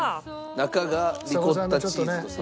中がリコッタチーズと砂糖。